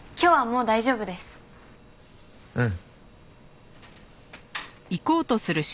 うん。